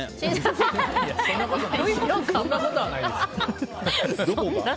そんなことはないです。